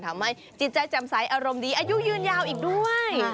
ทำให้จิตใจจำใสอารมณ์ดีอายุยืนยาวอีกด้วย